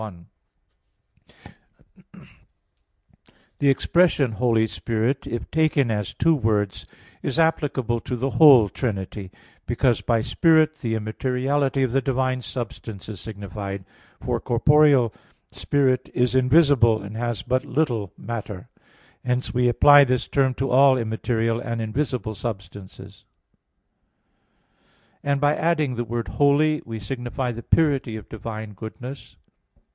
1: The expression Holy Spirit, if taken as two words, is applicable to the whole Trinity: because by 'spirit' the immateriality of the divine substance is signified; for corporeal spirit is invisible, and has but little matter; hence we apply this term to all immaterial and invisible substances. And by adding the word "holy" we signify the purity of divine goodness.